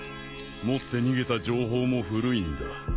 持って逃げた情報も古いんだ。